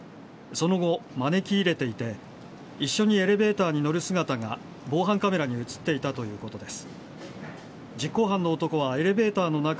その後、招き入れていて一緒にエレベーターに乗る姿が防犯カメラに映っていたということです。